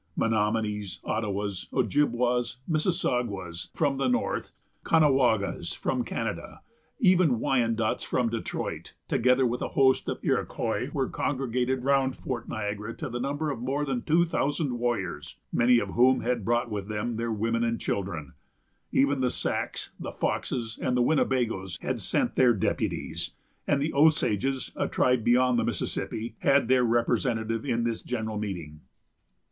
Menomonies, Ottawas, Ojibwas, Mississaugas, from the north; Caughnawagas from Canada, even Wyandots from Detroit, together with a host of Iroquois, were congregated round Fort Niagara to the number of more than two thousand warriors; many of whom had brought with them their women and children. Even the Sacs, the Foxes, and the Winnebagoes had sent their deputies; and the Osages, a tribe beyond the Mississippi, had their representative in this general meeting.